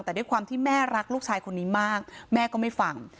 แต่ด้วยความที่แม่รักลูกชายคนนี้มากแม่ก็ไม่ฟัง